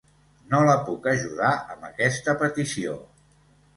No la puc ajudar amb aquesta petició.